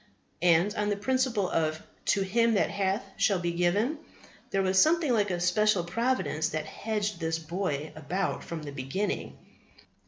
And, on the principle of "to him that hath shall be given," there was something like a special providence that hedged this boy about from the beginning.